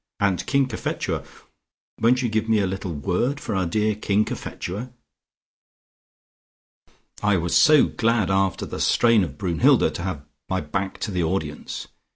And King Cophetua! Won't you give me a little word for our dear King Cophetua? I was so glad after the strain of Brunnhilde to have my back to the audience.